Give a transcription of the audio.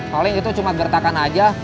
paling itu cuma gertakan aja